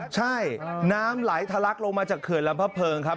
ใช่น้ำไหลทะลักลงมาจากเขื่อนลำพระเพิงครับ